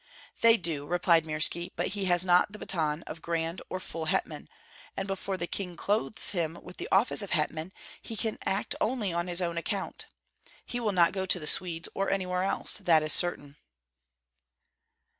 "They do," replied Mirski; "but he has not the baton of grand or full hetman, and before the king clothes him with the office of hetman, he can act only on his own account. He will not go to the Swedes, or anywhere else; that is certain."